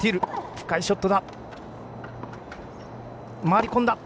深いショット。